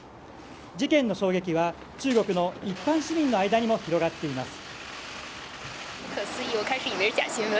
事件の衝撃は中国の一般市民の間にも広がっています。